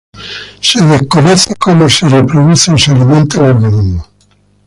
Se desconoce como se reproduce o se alimenta el organismo.